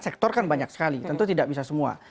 sektor kan banyak sekali tentu tidak bisa semua